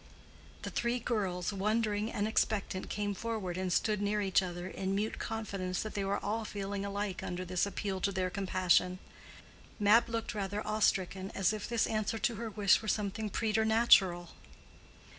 The three girls, wondering and expectant, came forward and stood near each other in mute confidence that they were all feeling alike under this appeal to their compassion. Mab looked rather awe stricken, as if this answer to her wish were something preternatural.